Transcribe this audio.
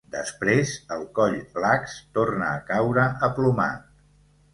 Després el coll lax torna a caure aplomat.